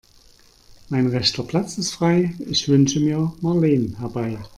Mein rechter Platz ist frei, ich wünsche mir Marleen herbei.